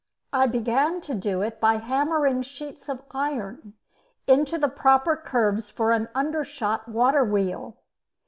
I began to do it by hammering sheets of iron into the proper curves for an undershot water wheel.